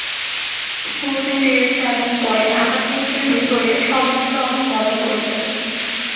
শুরুতে টেরেসে এবং পরে অ্যাপার্টমেন্টের ভেতর সবাই মিলে অনেক মজা করেছেন।